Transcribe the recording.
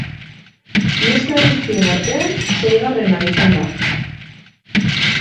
Neska guztien artean seigarrena izan da.